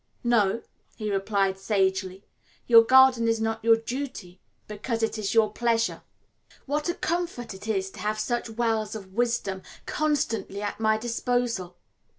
"No," he replied sagely; "your garden is not your duty, because it is your Pleasure." What a comfort it is to have such wells of wisdom constantly at my disposal!